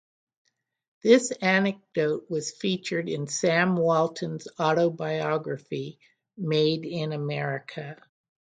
This anecdote was featured in Sam Walton's autobiography, "Made in America".